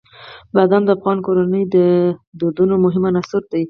بادام د افغان کورنیو د دودونو مهم عنصر دی.